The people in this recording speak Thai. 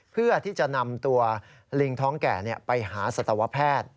เพื่อที่จะนำตัวลิงท้องแก่ไปหาสัตวแพทย์